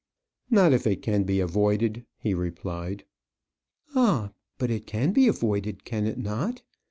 "Not if it can be avoided," he replied. "Ah! but it can be avoided; can it not?